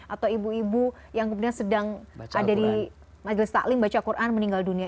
atau ibu ibu yang sebenarnya sedang ada di majlis ta'lim baca quran meninggal dunia